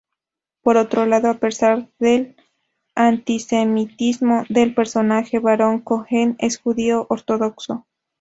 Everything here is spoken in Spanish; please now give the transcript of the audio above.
Por otro lado, a pesar del antisemitismo del personaje, Baron Cohen es judío ortodoxo.